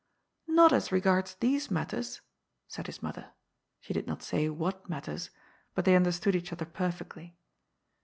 " Xot as regards these matters," said his mother. She did not say what matters, but they understood each other perfectly.